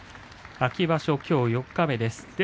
秋場所きょう四日目です。